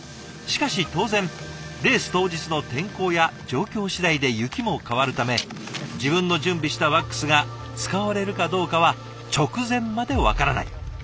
しかし当然レース当日の天候や状況しだいで雪も変わるため自分の準備したワックスが使われるかどうかは直前まで分からない。